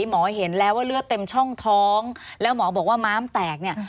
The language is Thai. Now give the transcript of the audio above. หมอเห็นแล้วว่าเลือดเต็มช่องท้องแล้วหมอบอกว่าม้ามแตกเนี่ย